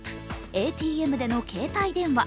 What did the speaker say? ＡＴＭでの携帯電話」